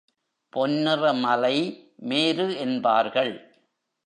பொன்னிற மலை மேரு என்பார்கள்.